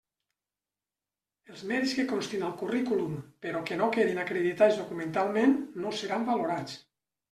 Els mèrits que constin al currículum però que no quedin acreditats documentalment, no seran valorats.